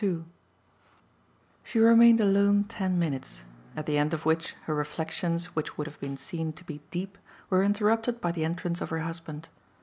II She remained alone ten minutes, at the end of which her reflexions would have been seen to be deep were interrupted by the entrance of her husband.